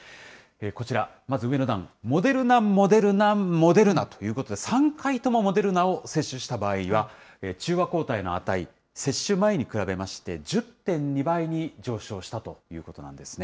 こちら、まず上の段、モデルナ、モデルナ、モデルナということで、３回ともモデルナを接種した場合は、中和抗体の値、接種前に比べまして１０．２倍に上昇したということなんですね。